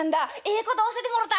ええこと教てもろた。